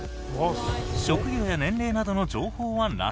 職業や年齢などの情報はなし。